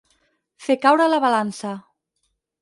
Fer caure la balança.